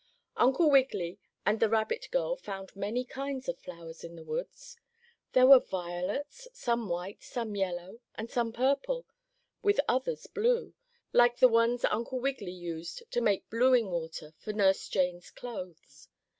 Uncle Wiggily and the little rabbit girl found many kinds of flowers in the woods. There were violets, some white, some yellow and some purple, with others blue, like the ones Uncle Wiggily used to make blueing water for Nurse Jane's clothes.